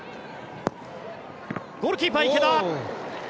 ゴールキーパー、池田。